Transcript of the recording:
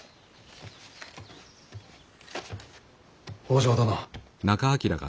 北条殿。